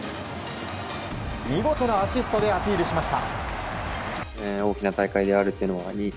見事なアシストでアピールしました。